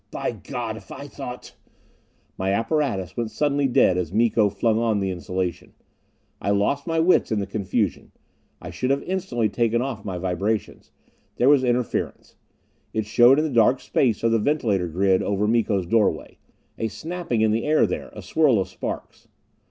By God, if I thought " My apparatus went suddenly dead as Miko flung on his insulation. I lost my wits in the confusion; I should have instantly taken off my vibrations. There was interference; it showed in the dark space of the ventilator grid over Miko's doorway; a snapping in the air there, a swirl of sparks.